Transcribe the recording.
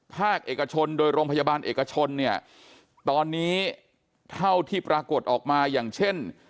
ภาคเอกชนโดยโรงพยาบาลเอกชนเนี่ยตอนนี้เท่าที่ปรากฏออกมาอย่างเช่น